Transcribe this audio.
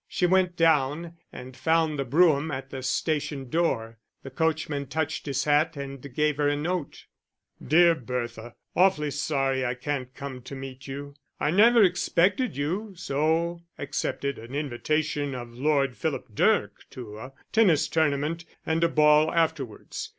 She went down and found the brougham at the station door; the coachman touched his hat and gave her a note. _Dear Bertha, Awfully sorry I can't come to meet you. I never expected you, so accepted an invitation of Lord Philip Dirk to a tennis tournament, and a ball afterwards.